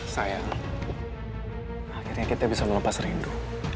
sayang akhirnya kita bisa melepas rindu